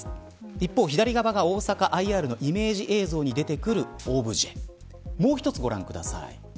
一方、左側が大阪ＩＲのイメージ映像に出てくるオブジェもう一つご覧ください。